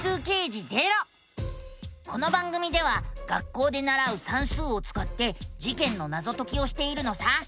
この番組では学校でならう「算数」をつかって事件のナゾ解きをしているのさ。